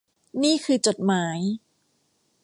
นี่คือจดหมาย